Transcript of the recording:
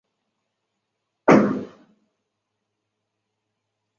但目前实际上仅可在长三角部分城市使用。